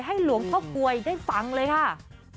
หลวงพ่อกลวยได้ฟังเลยค่ะ